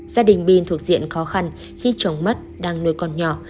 gia đình bin thuộc diện khó khăn khi chồng mất đang nuôi con nhỏ